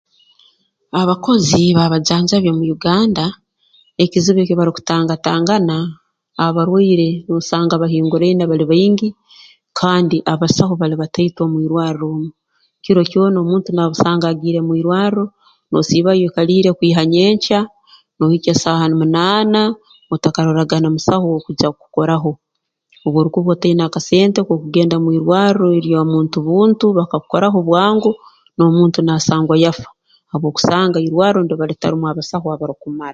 Abakozi b'abajanjabi omu Uganda ekizibu eki barukutangatangana abarwaire noosanga bahinguraine bali baingi kandi abasaho bali bataito mu irwarro omu kiro kyona omuntu naakusanga ogiire mu irwarro noosiibayo oikaliire kwiha nyenkya noohikya saaha munaana otakaroraga na musaho w'okwija kukukoraho obu orukuba otaine akasente k'okugenda mu irwarro ery'omuntu buntu bakakukoraho bwangu n'omuntu naasangwa yafa habw'okusanga irwarro niriba litarumu basaho abarukumara